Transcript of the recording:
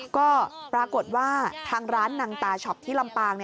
ก็ปรากฏว่าทางร้านนังตาช็อปที่ลำปาง